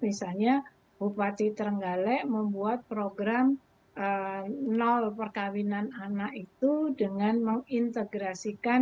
misalnya bupati terenggalek membuat program nol perkawinan anak itu dengan mengintegrasikan